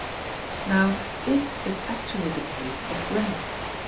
Now, this is actually the case with rent.